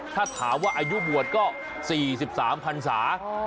ถ้าถามว่าอายุบวชก็๔๓พันศา